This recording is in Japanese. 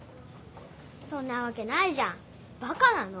そんなわけないじゃんバカなの？